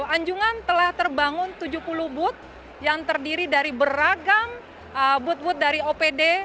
anjungan telah terbangun tujuh puluh booth yang terdiri dari beragam booth booth dari opd